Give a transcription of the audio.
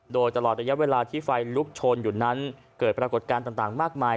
โดยตลอดระยะเวลาที่ไฟลุกโชนอยู่นั้นเกิดปรากฏการณ์ต่างมากมาย